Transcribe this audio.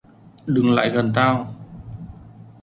Đừng lại gần tao